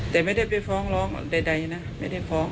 แต่ไม่ได้ไปฟ้องร้องใดนะ